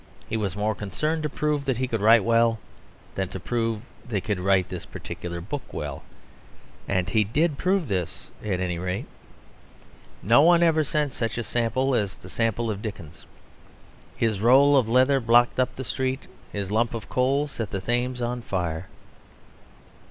He was more concerned to prove that he could write well than to prove that he could write this particular book well. And he did prove this, at any rate. No one ever sent such a sample as the sample of Dickens. His roll of leather blocked up the street; his lump of coal set the Thames on fire.